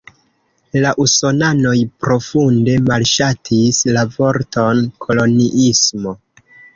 La usonanoj profunde malŝatis la vorton "koloniismo".